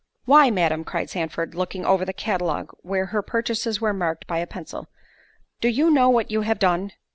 "Why, Madam," cried Sandford, looking over the catalogue where her purchases were marked by a pencil, "do you know what you have done?